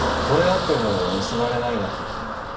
合ってるのに結ばれないなんてこともある。